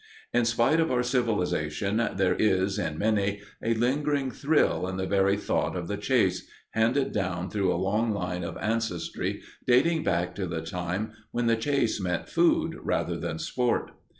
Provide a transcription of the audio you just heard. In spite of our civilization, there is, in many, a lingering thrill in the very thought of the chase, handed down through a long line of ancestry dating back to the time when the chase meant food rather than sport.